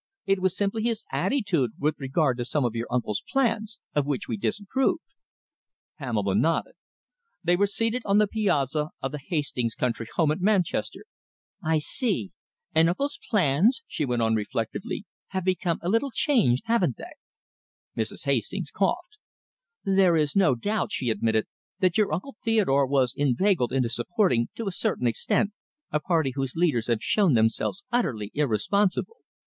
It was simply his attitude with regard to some of your uncle's plans, of which we disapproved." Pamela nodded. They were seated on the piazza of the Hastings' country house at Manchester. "I see!... And uncle's plans," she went on reflectively, "have become a little changed, haven't they?" Mrs. Hastings coughed. "There is no doubt," she admitted, "that your Uncle Theodore was inveigled into supporting, to a certain extent, a party whose leaders have shown themselves utterly irresponsible.